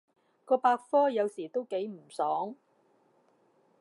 個百科有時都幾唔爽